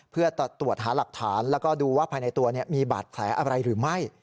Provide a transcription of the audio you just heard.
เพื่อตรวจหาหลักฐานแล้วก็ดูว่าภายในตัวมีบาดแผลอะไรหรือไม่